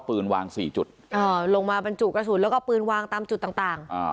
ผู้ชายจู่กระสุนแล้วก็พื้นวางตามจุดต่าง